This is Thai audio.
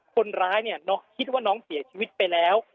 คนร้ายเนี่ยน้องคิดว่าน้องเสียชีวิตไปแล้ว